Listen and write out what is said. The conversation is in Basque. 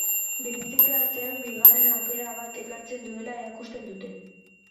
Birziklatzeak bigarren aukera bat ekartzen duela erakusten dute.